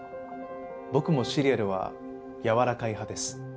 僕もシリアルはやわらかい派です。